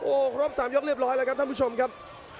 โอ้โหครบ๓ยกเรียบร้อยแล้วครับท่านผู้ชมครับ